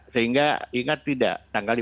sehingga ingat tidak